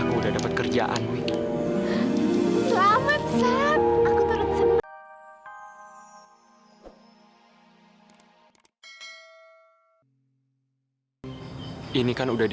selamat sam aku turun sempat